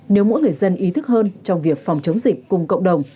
nếu mỗi người dân ý thức hơn trong việc phòng chống dịch cùng cộng đồng